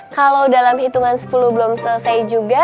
kalau dalam hitungan sepuluh belum selesai juga